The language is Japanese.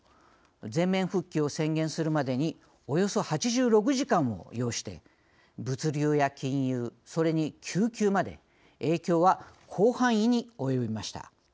全面復旧を宣言するまでにおよそ８６時間を要して物流や金融、それに救急まで影響は広範囲に及びました。